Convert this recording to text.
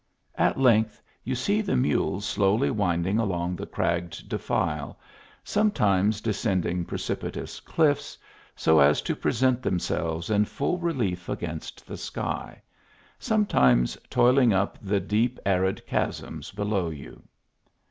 At length you see the mules slowly winding along the cragged defile, sometimes de scending precipitous cliffs, so as to present them selves in full relief against the sky, sometimes toiling up the deep arid chasms below you.